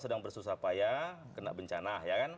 sedang bersusah payah kena bencana